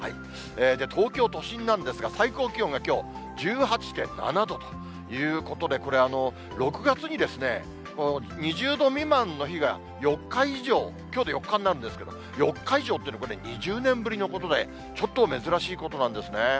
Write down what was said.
東京都心なんですが、最高気温がきょう、１８．７度ということで、これ、６月にですね、２０度未満の日が４日以上、きょうで４日になるんですけど、４日以上というのはこれ、２０年ぶりのことで、ちょっと珍しいことなんですね。